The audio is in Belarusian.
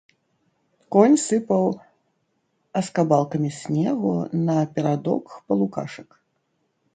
Конь сыпаў аскабалкамі снегу на перадок палукашак.